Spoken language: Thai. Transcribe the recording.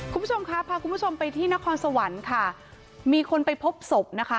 คุณผู้ชมครับพาคุณผู้ชมไปที่นครสวรรค์ค่ะมีคนไปพบศพนะคะ